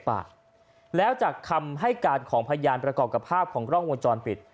แล้วหลังจากคำให้การของผยานประกอบกับภาพของร่องจอนปิด